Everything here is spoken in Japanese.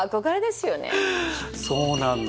何かそうなんだ